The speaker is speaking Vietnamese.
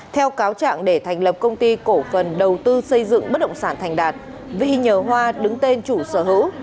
theo cáo trạng để thành lập công ty cổ phần đầu tư xây dựng bất động sản thành đạt vi nhờ hoa đứng tên chủ sở hữu